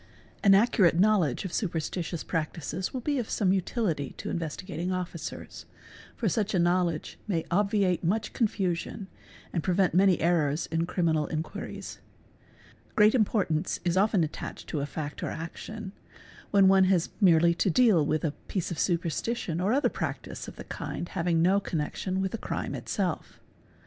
_ An accurate knowledge of superstitious practices will be of some utility to Investigating Officer's ©, for such a knowledge may obviate much confusion and prevent many errors in criminal inquiries. Great PPelwe Hatem OL re Tern Teh Do Mprined Bak importance is often attached to a fact or action when one has merely to deal with a piece of superstition or other practice of the kind having no meen eeeon with the crime itself.